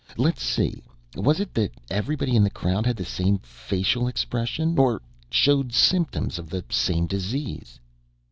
Let's see, was it that everybody in the crowd had the same facial expression...? Or showed symptoms of the same disease...?